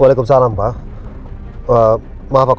walaikum salam sk